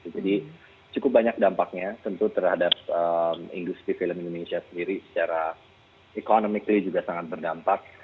jadi cukup banyak dampaknya tentu terhadap industri film indonesia sendiri secara ekonomis juga sangat berdampak